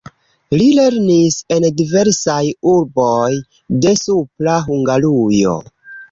Li lernis en diversaj urboj de Supra Hungarujo.